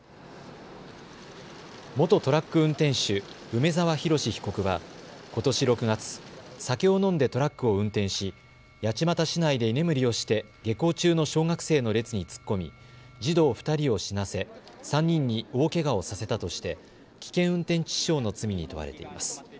元トラック運転手、梅澤洋被告はことし６月、酒を飲んでトラックを運転し、八街市内で居眠りをして下校中の小学生の列に突っ込み児童２人を死なせ３人に大けがをさせたとして危険運転致死傷の罪に問われています。